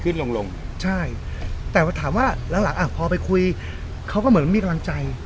ลงลงใช่แต่ถามว่าหลังหลังอ่ะพอไปคุยเขาก็เหมือนมีกำลังใจ